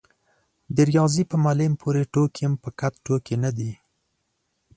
د رياضي په معلم پورې ټوکې هم فقط ټوکې نه دي.